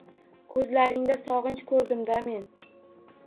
Ko‘zlaringda sog‘inch ko‘rdim-da men.